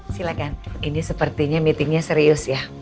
silakan ini sepertinya meetingnya serius ya